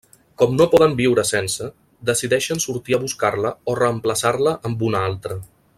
Com no poden viure sense, decideixen sortir a buscar-la o reemplaçar-la amb una altra.